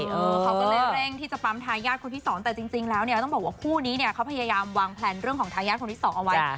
เขาก็เลยเร่งที่จะปั๊มทายาทคนที่สองแต่จริงแล้วเนี่ยต้องบอกว่าคู่นี้เนี่ยเขาพยายามวางแพลนเรื่องของทายาทคนที่สองเอาไว้